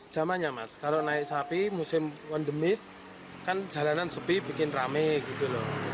zamannya mas kalau naik sapi musim on demi kan jalanan sepi bikin rame gitu loh